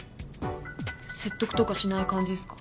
説得とかしない感じですか？